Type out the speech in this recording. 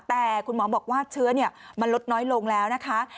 แต่คุณหมอบอกว่าเชื้อมันลดน้อยลงแล้วนะคะ